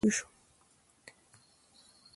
ايله چې د لمانځه پر خوند پوه سوم.